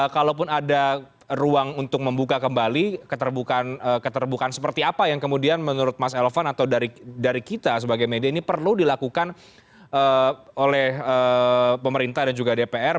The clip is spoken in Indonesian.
kalaupun ada ruang untuk membuka kembali keterbukaan seperti apa yang kemudian menurut mas elvan atau dari kita sebagai media ini perlu dilakukan oleh pemerintah dan juga dpr